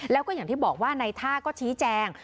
แล้วก็อย่างที่บอกว่าในท่าก็ชี้แจง